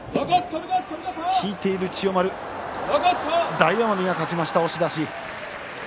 大奄美が勝ちました押し出し。